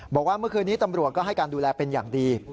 บอกว่าเมื่อคืนนี้ตำรวจก็ให้การดูแลเป็นอย่างดี